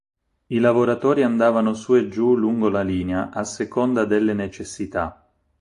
I lavoratori andavano su e giù lungo la linea a seconda delle necessità.